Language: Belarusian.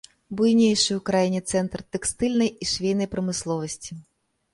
Буйнейшы ў краіне цэнтр тэкстыльнай і швейнай прамысловасці.